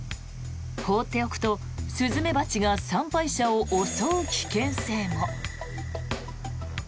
放っておくとスズメバチが参拝者を襲う危険性も。